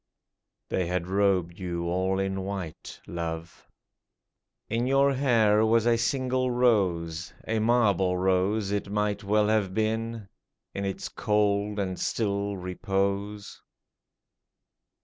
They had robed you all in white, love ; In your hair was a single rose — A marble rose it might well have been In its cold and still repose